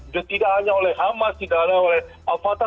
dan tidak hanya oleh hamas tidak hanya oleh al fatah